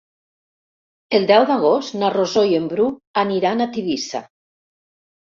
El deu d'agost na Rosó i en Bru aniran a Tivissa.